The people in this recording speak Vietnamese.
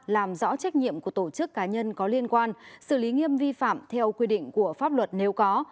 làm rõ trách nhiệm của tổ chức cá nhân có liên quan xử lý nghiêm vi phạm theo quy định của pháp luật nếu có